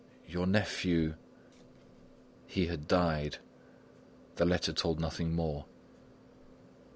Your nephew ." He had died. The letter told nothing more.